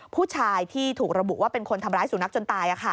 ผู้ชายที่ถูกระบุว่าเป็นคนทำร้ายสุนัขจนตาย